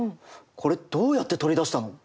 これどうやって取り出したの？